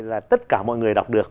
là tất cả mọi người đọc được